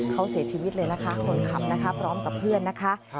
เขาเสียชีวิตเลยนะคะคนขับนะคะพร้อมกับเพื่อนนะคะ